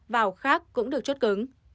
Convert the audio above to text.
vào khác cũng được chốt cứng